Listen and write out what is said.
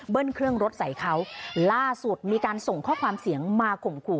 เครื่องรถใส่เขาล่าสุดมีการส่งข้อความเสียงมาข่มขู่